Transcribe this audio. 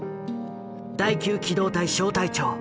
第九機動隊小隊長。